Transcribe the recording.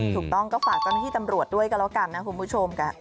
ถูกต้องก็ฝากเจ้าหน้าที่ตำรวจด้วยกันแล้วกันนะคุณผู้ชม